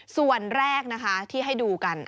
ส่วนแรกนะคะที่ให้ดูกัน